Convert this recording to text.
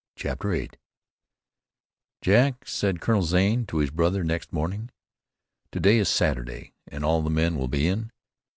CHAPTER VIII "Jack," said Colonel Zane to his brother next morning, "to day is Saturday and all the men will be in.